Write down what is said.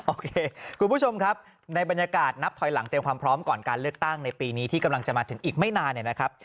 โอเคคุณผู้ชมครับในบรรยากาศนับถอยหลังเตรียมความพร้อมก่อนการเลือกตั้งในปีนี้ที่กำลังจะมาถึงอีกไม่นานเนี่ยนะครับ